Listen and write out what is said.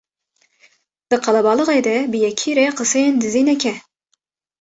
Di qelebalixê de bi yekî re qiseyên dizî neke